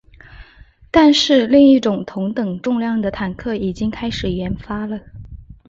但是另一种同等重量的坦克已经开始研发了。